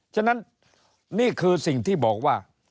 ฉะนั้นนี่คือสิ่งที่บอกว่า